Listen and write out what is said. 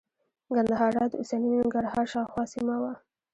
ګندهارا د اوسني ننګرهار شاوخوا سیمه وه